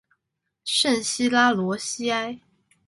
圣西拉罗西埃。